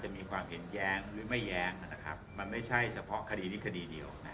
ไม่ใช่เฉพาะคดีนิขดีเดียว